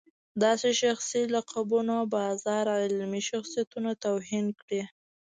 داسې شخصي لقبونو بازار علمي شخصیتونو توهین کړی.